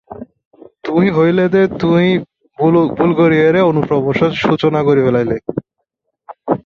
শুধু বলেছিল তুমি ভুলক্রমে অনুপ্রবেশের সূচনা করে ফেলেছিলে।